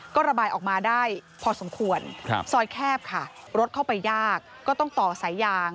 ก็ระบายออกมาได้พอสมควรซอยแคบค่ะรถเข้าไปยากก็ต้องต่อสายยาง